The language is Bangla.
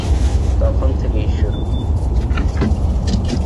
তখন থেকেই শুরু।